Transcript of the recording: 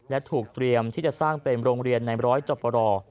และถูกเตรียมที่จะสร้างเป็นโรงเรียนในร้อยจบรอ